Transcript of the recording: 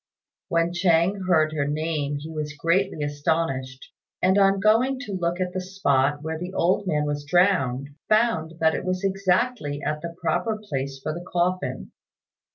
When Chang heard her name he was greatly astonished; and on going to look at the spot where the old man was drowned, found that it was exactly at the proper place for the coffin.